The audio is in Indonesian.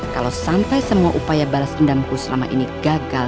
kalau sampai semua upaya balas endamku selama ini gagal